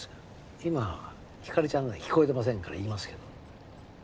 今ひかりちゃんが聞こえてませんから言いますけど。